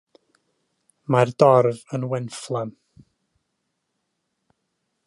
Mae'r dorf yn wenfflam.